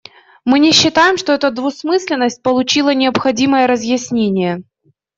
Мы не считаем, что эта двусмысленность получила необходимое разъяснение.